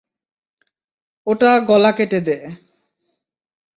ওটা গলা কেটে দে।